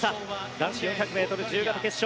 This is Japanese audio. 男子４００ｍ自由形決勝。